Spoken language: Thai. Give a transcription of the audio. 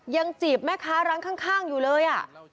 จีบแม่ค้าร้านข้างอยู่เลย